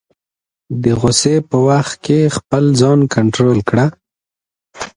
د غصې په وخت کې خپل ځان کنټرول کړه.